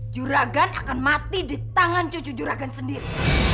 juragan akan mati di tangan cucu juragan sendiri